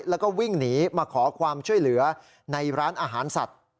แล้วก็วิ่งหนีมาขอความช่วยเหลือในร้านอาหารสัตว์